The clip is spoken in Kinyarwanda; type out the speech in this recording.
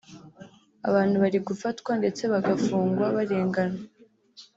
abantu bari gufatwa ndetse bagafungwa barengana